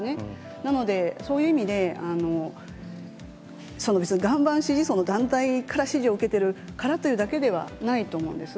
なので、そういう意味で、岩盤支持層の団体から支持を受けているからというだけではないと思うんです。